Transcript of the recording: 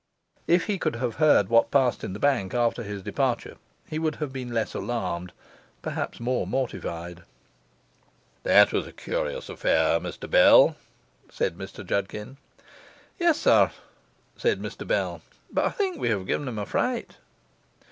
If he could have heard what passed in the bank after his departure he would have been less alarmed, perhaps more mortified. 'That was a curious affair, Mr Bell,' said Mr Judkin. 'Yes, sir,' said Mr Bell, 'but I think we have given him a fright.